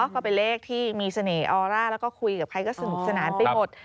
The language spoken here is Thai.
ก็เป็นเลขที่มีเสน่หออร่าแล้วก็คุยกับใครก็สนุกสนานไปหมด